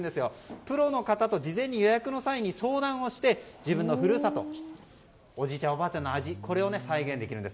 プロの方と事前に予約の際に相談をして自分の故郷、おじいちゃんおばあちゃんの味を再現できるんです。